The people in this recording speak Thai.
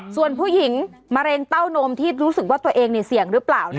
ส่วนผู้หญิงมะเร็งเต้านมที่รู้สึกว่าตัวเองเสี่ยงหรือเปล่า